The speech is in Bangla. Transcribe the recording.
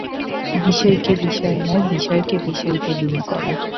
বিষয়ীকে বিষয়ে নয়, বিষয়কে বিষয়ীতে লীন করা।